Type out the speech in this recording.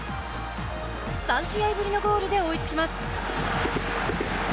３試合ぶりのゴールで追いつきます。